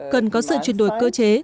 cần có sự chuyển đổi cơ chế